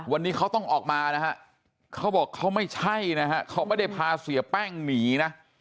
วันนี้เขาต้องออกมานะฮะเขาบอกเขาไม่ใช่นะฮะเขาไม่ได้พาเสียแป้งหนีนะ